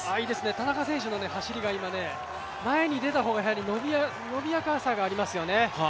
田中選手の走りが前に出た方が伸びやかさがありますよね。